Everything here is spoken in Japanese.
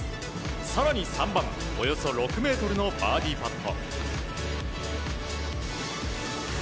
更に３番、およそ６ｍのバーディーパット。